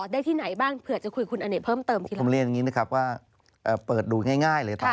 ดีฉันว่าหลายคนคงสนใจแล้วแหละ